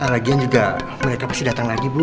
lagian juga pasti datang lagi bu